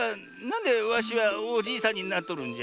んでわしはおじいさんになっとるんじゃ？